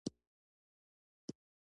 اسلام او شريعت زموږ لومړی اصل دی.